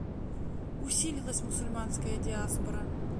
Усилилась мусульманская диаспора.